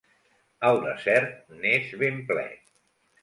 El desert n'és ben ple.